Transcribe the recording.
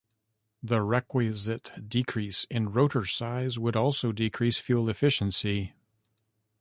The requisite decrease in rotor size would also decrease fuel efficiency.